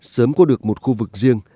sớm có được một khu vực riêng